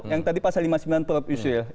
yang tadi pasal lima puluh sembilan perusahaan